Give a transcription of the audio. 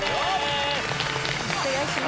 お願いします。